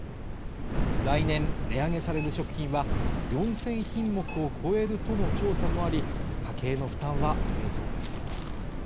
来年値上げされる食品は４０００品目を超えるとの調査もあり家計の負担は増えそうです